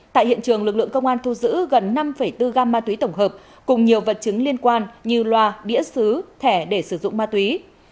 tại hiện trường lực lượng công an thu giữ gần năm bốn gam ma túy tổng hợp cùng nhiều vật chứng liên quan như loa đĩa xứ thẻ để sử dụng ma túy